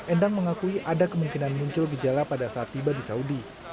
endang mengakui ada kemungkinan muncul gejala pada saat tiba di saudi